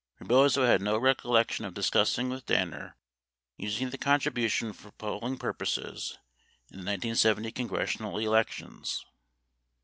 90 Rebozo had no recollection of discussing with Danner using the contribution for poll ing purposes in the 1970 congressional elections.